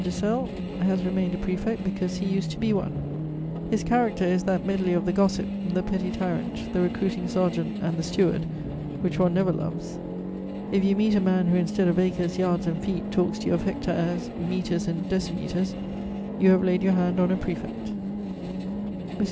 M. de Celles has remained a prefect because he used to be one; his character is that medley of the gossip, the petty tyrant, the recruiting sergeant and the steward which one never loves. If you meet a man who, instead of acres, yards and feet, talks to you of hectares, metres and decimetres, you have laid your hand on a prefect. [Sidenote: My ambassadorial colleagues.] M.